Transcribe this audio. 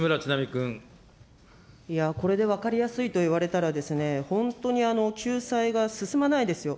いや、これで分かりやすいと言われたらですね、本当に救済が進まないですよ。